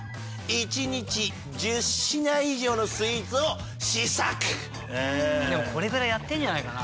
「１日１０品以上のスイーツを試作」でもこれぐらいやってるんじゃないかな？